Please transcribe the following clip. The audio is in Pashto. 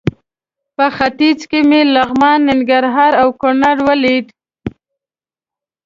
په ختیځ کې مې لغمان، ننګرهار او کونړ ولیدل.